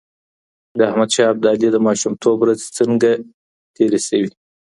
د احمد شاه ابدالي د ماشومتوب ورځې څنګه تېري سوي؟